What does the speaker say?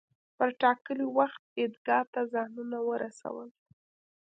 پر ټاکلي وخت عیدګاه ته ځانونه ورسول.